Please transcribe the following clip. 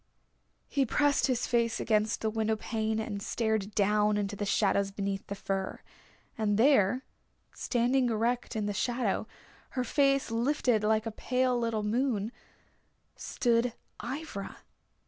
He pressed his face against the window pane and stared down into the shadows beneath the fir. And there, standing erect in the shadow, her face lifted like a pale little moon, stood Ivra.